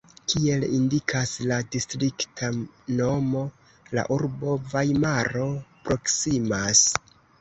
Kiel indikas la distrikta nomo, la urbo Vajmaro proksimas.